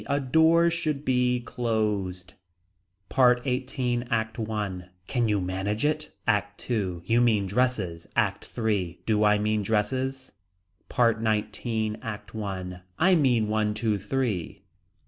A door should be closed. PART XVIII. ACT I. Can you manage it. ACT II. You mean dresses. ACT III. Do I mean dresses. PART XIX. ACT I. I mean one two three.